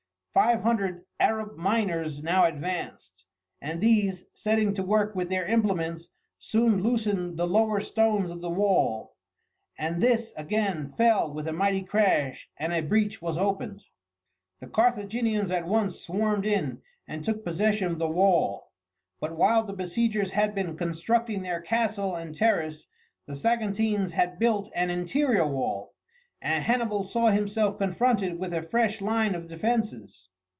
Five hundred Arab miners now advanced, and these, setting to work with their implements, soon loosened the lower stones of the wall, and this again fell with a mighty crash and a breach was opened. The Carthaginians at once swarmed in and took possession of the wall; but while the besiegers had been constructing their castle and terrace, the Saguntines had built an interior wall, and Hannibal saw himself confronted with a fresh line of defences.